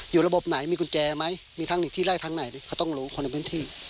อยู่ระบบไหนมีกุญแจไหมมีทั้งหนึ่งที่ไร้ทั้งไหนเขาต้องรู้คนพื้นที่